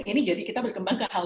ini jadi kita berkembang ke hal